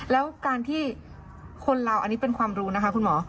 แล้วการที่คนเราอันนี้เป็นความรู้นะคะคุณหมอ